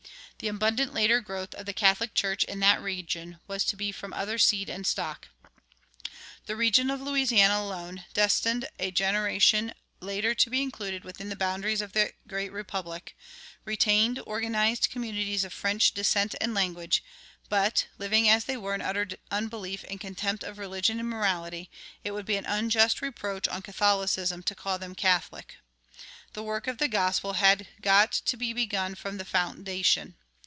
The abundant later growth of the Catholic Church in that region was to be from other seed and stock. The region of Louisiana alone, destined a generation later to be included within the boundaries of the great republic, retained organized communities of French descent and language; but, living as they were in utter unbelief and contempt of religion and morality, it would be an unjust reproach on Catholicism to call them Catholic. The work of the gospel had got to be begun from the foundation.